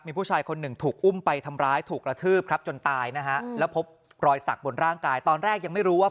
มีผู้ชายคนหนึ่งถูกอุ่มไปทำร้าย